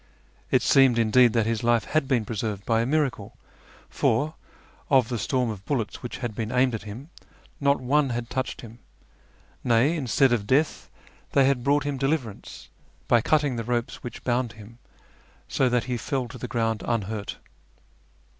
It seemed, indeed, that his life had been preserved by a miracle, for, of the storm of bullets which had been aimed at him, not one had touched him ; nay, instead of death they had brought him deliverance by cutting the ropes which bound him, so that he fell to the ground unhurt.